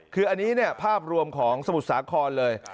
คืออันนี้เนี่ยภาพรวมของสมุทรสาครเลย